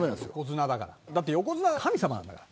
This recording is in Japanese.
だって横綱は神様だから。